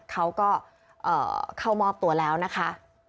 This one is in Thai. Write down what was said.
เขาก็เข้ามอบตัวแล้วนะคะ